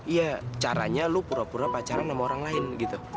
iya caranya lu pura pura pacaran sama orang lain gitu